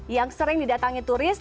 yang sering didatangkan